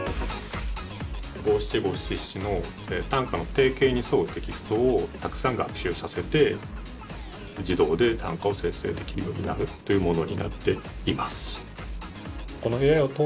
五七五七七の短歌の定型に沿うテキストをたくさん学習させて自動で短歌を生成できるようになるというものになっています。